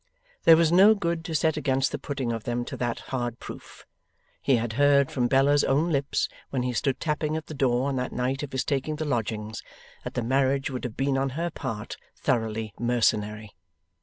There was no good to set against the putting of them to that hard proof. He had heard from Bella's own lips when he stood tapping at the door on that night of his taking the lodgings, that the marriage would have been on her part thoroughly mercenary.